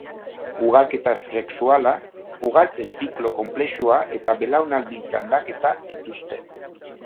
Ugalketa sexuala, ugaltze-ziklo konplexua eta belaunaldi-txandaketa dituzte.